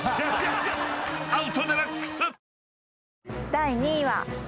第２位は。